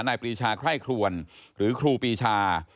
ปรีชาไคร่ครวนหรือครูปีชา